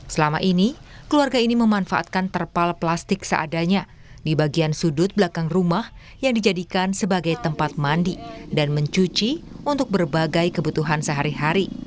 selama ini keluarga ini memanfaatkan terpal plastik seadanya di bagian sudut belakang rumah yang dijadikan sebagai tempat mandi dan mencuci untuk berbagai kebutuhan sehari hari